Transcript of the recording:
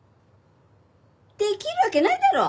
できるわけないだろ！